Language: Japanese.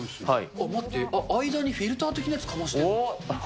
あっ、待って、間にフィルター的なものかましてある。